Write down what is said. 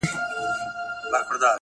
پوهه د تیارو افکارو څراغ دی’